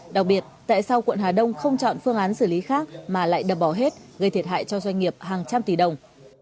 đặc biệt tại sau quận hà đông không chọn phương án xử lý khác mà lại đập bỏ hết gây thiệt hại cho doanh nghiệp hàng trăm tỷ đồng